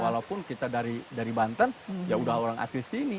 walaupun kita dari banten ya udah orang asli sini